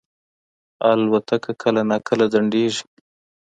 الوتکه کله ناکله ځنډېږي.